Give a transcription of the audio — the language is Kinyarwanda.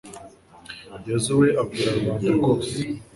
yozuwe abwira rubanda rwose